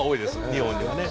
日本にはね。